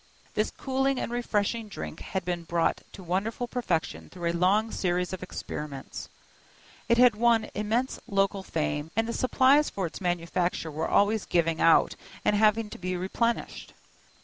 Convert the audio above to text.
This cooling and refreshing drink had been brought to wonderful perfection through a long series of experiments; it had won immense local fame, and the supplies for its manufacture were always giving out and having to be replenished.